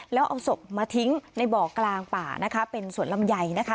แล้วเอาศพมาทิ้งในบ่อกลางป่านะคะเป็นสวนลำไยนะคะ